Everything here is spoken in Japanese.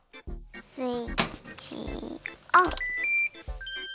スイッチオン！